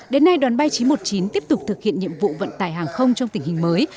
đến nay đoàn bay chín trăm một mươi chín tiếp tục thực hiện nhiệm vụ vận tải hàng không trong tình hình mới